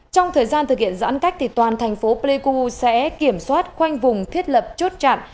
trong thời gian thực hiện giãn cách toàn thành phố pleiku sẽ kiểm soát khoanh vùng thiết lập chốt chặn